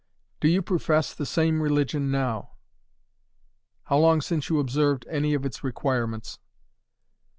"Do you profess the same religion now? "How long since you observed any of its requirements?"